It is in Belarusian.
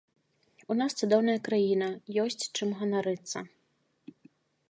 У нас цудоўная краіна, ёсць чым ганарыцца.